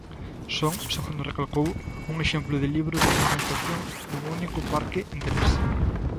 Son, segundo recalcou, "un exemplo de libro de fragmentación dun único parque en tres".